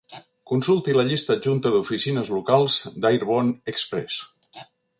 Consulti la llista adjunta d'oficines locals d'Airborne Express”.